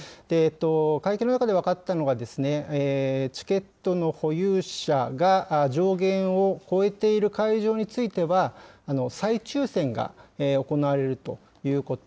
会見の中で分かったのが、チケットの保有者が上限を超えている会場については、再抽せんが行われるということ。